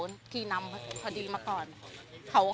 คือขี่ตามกันมาคือเขาขี่นำพอดีมาก่อน